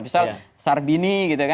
misal sarbini gitu kan